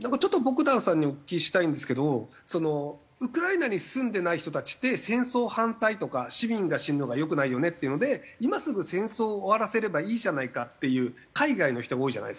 ちょっとボグダンさんにお聞きしたいんですけどウクライナに住んでない人たちって戦争反対とか市民が死ぬのが良くないよねっていうので今すぐ戦争を終わらせればいいじゃないかっていう海外の人が多いじゃないですか。